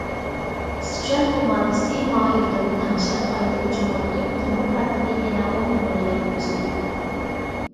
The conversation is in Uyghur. سىچۈەن كوماندىسى ماھىرلىرىنى تەڭشەپ قايتا ھۇجۇمغا ئۆتۈپ، نومۇر پەرقىنى يەنە ئون نومۇرغا يەتكۈزدى.